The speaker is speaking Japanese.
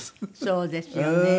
そうですよね。